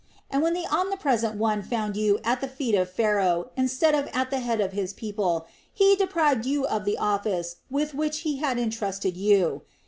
And when the Omnipresent One found you at the feet of Pharaoh, instead of at the head of His people, He deprived you of the office with which He had entrusted you.